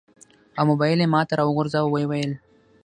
او موبایل یې ماته راوغورځاوه. و یې ویل: